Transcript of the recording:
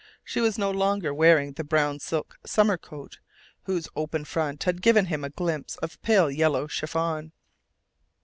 She was no longer wearing the brown silk summer coat whose open front had given him a glimpse of pale yellow chiffon.